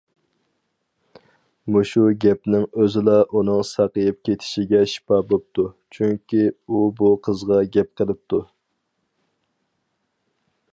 مۇشۇ گەپنىڭ ئۆزىلا ئۇنىڭ ساقىيىپ كېتىشىگە شىپا بوپتۇ: چۈنكى ئۇ بۇ قىزغا گەپ قىلىپتۇ.